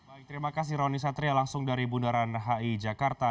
baik terima kasih roni satria langsung dari bundaran hi jakarta